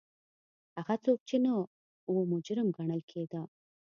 هغه څوک چې نه و مجرم ګڼل کېده.